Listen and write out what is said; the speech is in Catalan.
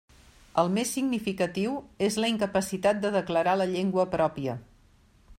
El més significatiu és la incapacitat de declarar la llengua pròpia.